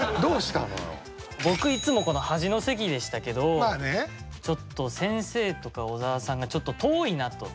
僕いつもこの端の席でしたけど先生とか小沢さんがちょっと遠いなと。